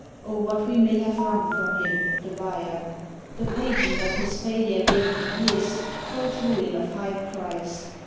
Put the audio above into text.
Or what we may have wrung from him, the buyer? The pageant of his failure laden years Told ruin of high price.